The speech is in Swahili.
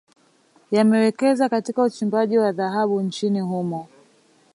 Yamewekeza Katika uchimbaji wa dhahabu nchini humo